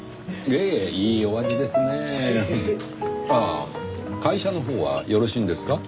ああ会社のほうはよろしいんですか？